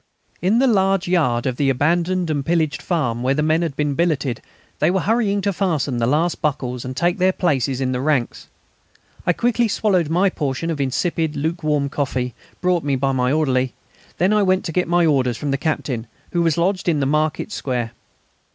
In the large yard of the abandoned and pillaged farm, where the men had been billeted they were hurrying to fasten the last buckles and take their places in the ranks. I quickly swallowed my portion of insipid lukewarm coffee, brought me by my orderly; then I went to get my orders from the Captain, who was lodged in the market square.